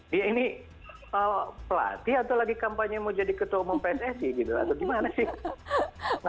dia ini pelatih atau lagi kampanye mau jadi ketua umum pssi gitu atau gimana sih